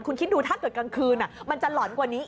คุณคิดดูถ้าเกิดกลางคืนมันจะหล่อนกว่านี้